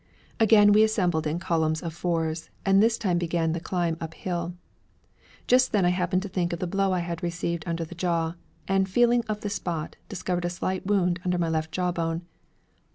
Again we assembled in column of fours, and this time began the climb up hill. Just then I happened to think of the blow I had received under the jaw, and, feeling of the spot, discovered a slight wound under my left jaw bone.